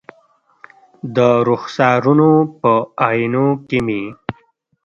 د رخسارونو په آئینو کې مې